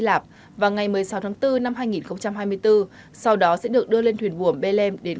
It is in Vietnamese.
do nghi ngờ có những sự kiện